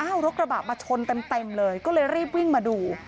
รถกระบะมาชนเต็มเลยก็เลยรีบวิ่งมาดู